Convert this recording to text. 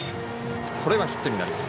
これはヒットになります。